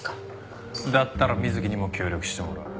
だったら水木にも協力してもらう。